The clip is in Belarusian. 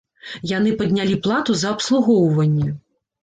Яны паднялі плату за абслугоўванне.